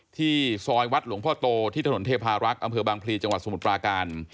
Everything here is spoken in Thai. ที่ซอยวัดหลวงพ่อโตที่ถนนเทพารักษ์อำเภอบางพลีจังหวัดสมุทรปราการ